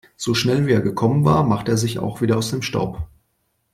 So schnell, wie er gekommen war, machte er sich auch wieder aus dem Staub.